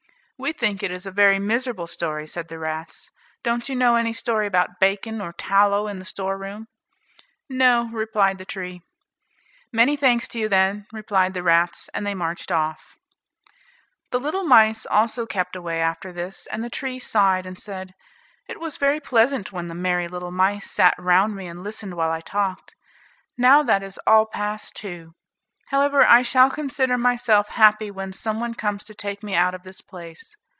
"We think it is a very miserable story," said the rats. "Don't you know any story about bacon, or tallow in the storeroom." "No," replied the tree. "Many thanks to you then," replied the rats, and they marched off. The little mice also kept away after this, and the tree sighed, and said, "It was very pleasant when the merry little mice sat round me and listened while I talked. Now that is all passed too. However, I shall consider myself happy when some one comes to take me out of this place."